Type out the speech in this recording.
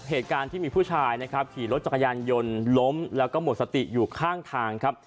เหตุการณ์ที่มีผู้ชายนะครับขี่รถจักรยานยนต์ล้มแล้วก็หมดสติอยู่ข้างทางครับ